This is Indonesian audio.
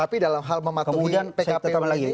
tapi dalam hal mematuhi pkpw